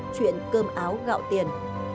chuyện cơm áo gạo tiền